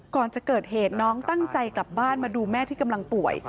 ก่อนจะเกิดเหตุน้องตั้งใจกลับบ้านมาดูแม่ที่กำลังป่วย